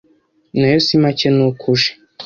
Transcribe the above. Nayo si make nuko uje